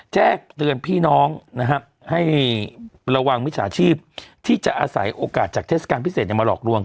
แจ้งเตือนพี่น้องนะฮะให้ระวังมิจฉาชีพที่จะอาศัยโอกาสจากเทศกาลพิเศษมาหลอกลวง